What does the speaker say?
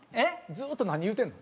ずーっと何言うてんの？